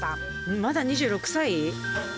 まだ２６歳？